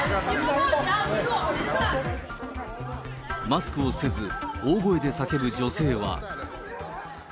マスクをせず、大声で叫ぶ女性は。